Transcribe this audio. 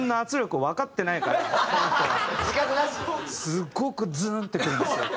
すごくズーンってくるんですよ。